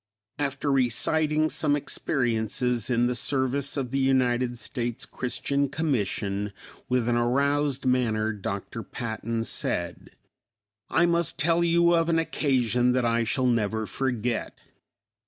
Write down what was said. After reciting some experiences in the service of the United States Christian Commission, with an aroused manner, Dr. Patton said, "I must tell you of an occasion that I shall never forget.